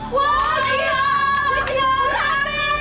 wah masih rame